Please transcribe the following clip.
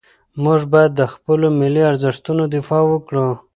موږ باید د خپلو ملي ارزښتونو دفاع وکړو.